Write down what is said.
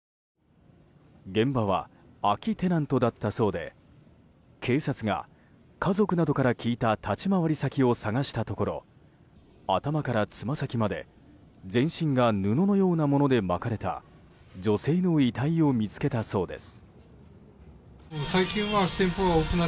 現場は空きテナントだったそうで警察が、家族などから聞いた立ち回り先を探したところ頭からつま先まで全身が布のようなもので巻かれた女性の遺体を見つけたそうです。